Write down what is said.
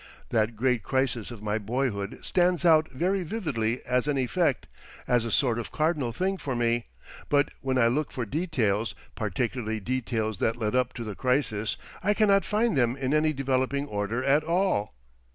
That great crisis of my boyhood stands out very vividly as an effect, as a sort of cardinal thing for me, but when I look for details, particularly details that led up to the crisis—I cannot find them in any developing order at all.